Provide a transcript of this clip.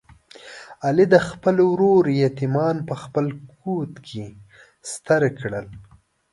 علي د خپل ورور یتیمان په خپل کوت کې ستر کړل.